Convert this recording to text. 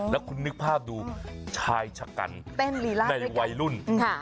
แล้วคุณนึกภาพดูชายชะกันในวัยรุ่น